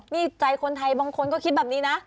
นี่ใจคนไทยบางคนก็คิดแบบนี้นะ